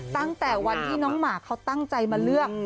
ตั้งแต่วันที่น้องหมาเขาตั้งใจมาเลือก